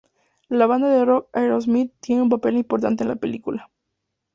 La banda de rock Aerosmith tiene un papel importante en la película.